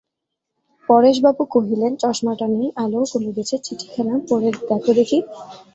পরেশবাবু কহিলেন, চশমাটা নেই, আলোও কমে গেছে–চিঠিখানা পড়ে দেখো দেখি।